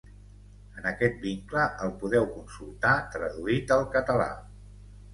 En aquest vincle el podeu consultar traduït al català.